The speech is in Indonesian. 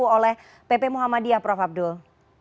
apa yang ditempu oleh pp muhammadiyah prof abdul